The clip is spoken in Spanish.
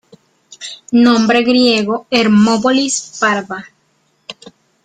Nombre griego: Hermópolis Parva.